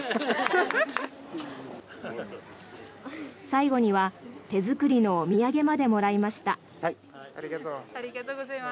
最後には手作りのお土産までもらいました。